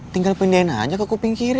tinggal pindahin aja ke kuping kiri